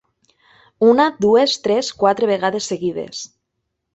Una dues tres quatre vegades seguides.